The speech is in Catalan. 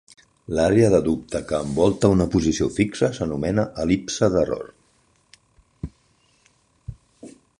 L'àrea de dubte que envolta una posició fixa s'anomena el·lipse d'error.